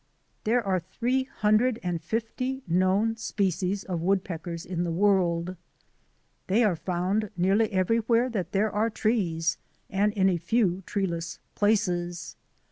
There are three hundred and fifty known species of woodpeckers in the world. They are found nearly everywhere that there are trees and in a few treeless places.